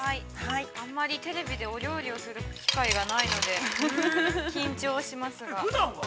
◆あんまりテレビでお料理をする機会がないので緊張しますが。